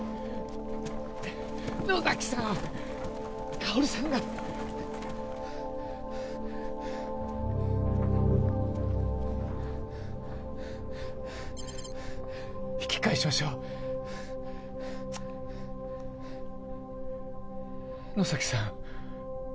薫さんが引き返しましょう野崎さん？